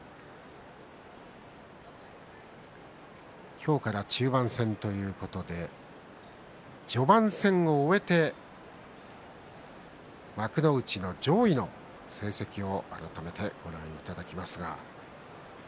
今日から中盤戦ということで序盤戦を終えて幕内の上位の成績を改めてご覧いただきます。